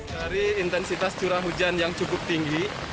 dari intensitas curah hujan yang cukup tinggi